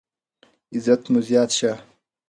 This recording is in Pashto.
عزت مو زیات شه.